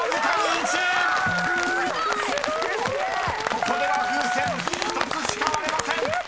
［ここでは風船１つしか割れません］